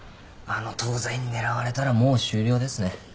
あの『東西』に狙われたらもう終了ですね。